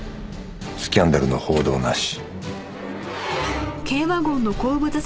スキャンダルの報道なし